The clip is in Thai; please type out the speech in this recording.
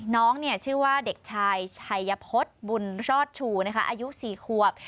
น้องชื่อว่าเด็กชายชัยพฤษบุญรอดชูอายุ๔ควบ